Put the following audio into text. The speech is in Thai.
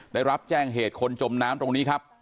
ได้รับแจ้งเหตุคนจมน้ำตรงนี้ครับ